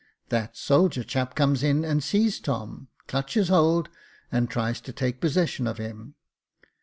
That soldier chap comes in and sees Tom, clutches hold, and tries to take possession of him.